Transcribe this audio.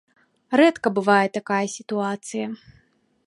Рэдка бывае такая сітуацыя.